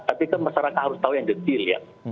tapi kan masyarakat harus tahu yang detail ya